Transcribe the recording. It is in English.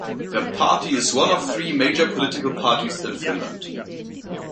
The party is one of three major political parties in Finland.